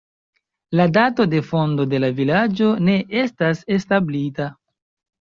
La dato de fondo de la vilaĝo ne estas establita.